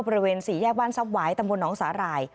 บริเวณ๔แยกวันซับไหวตำรวจหนองสาหร่าย